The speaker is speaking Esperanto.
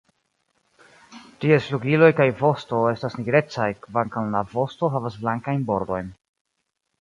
Ties flugiloj kaj vosto estas nigrecaj, kvankam la vosto havas blankajn bordojn.